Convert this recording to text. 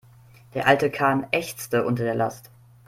Der alte Kahn ächzte unter der Last.